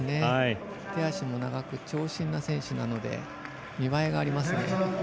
手足も長く長身な選手なので見栄えがありますね。